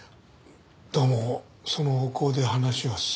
どうもその方向で話は進んでるとか。